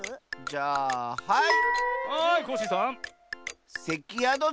じゃあはい！